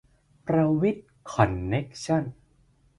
ประวิตร คอนเนคชั่น